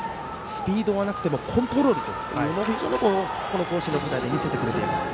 スピードがなくてもコントロールと甲子園の舞台で見せてくれています。